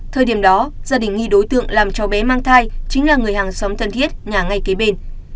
thời điểm đó gia đình nghi đối tượng làm cho bé mang thai chính là người hàng xóm thân thiết nhà ngay kế bên